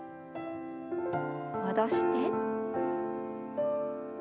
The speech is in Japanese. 戻して。